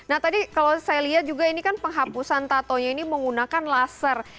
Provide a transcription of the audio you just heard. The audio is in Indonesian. nah tadi kalau saya lihat juga ini kan penghapusan tatonya ini menggunakan laser